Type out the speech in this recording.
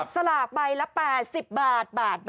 สลากใบละ๘๐บาท